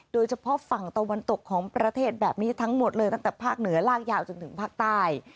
โดยเฉพาะฝั่งตะวันตกของประเทศแบบนี้ทั้งหมดเลยตั้งแต่ภาคเหนือลากยาวจนถึงภาคใต้